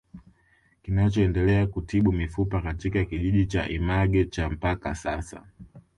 Kinachoendelea kutibu mifupa katika kijiji cha Image cha mpaka sasa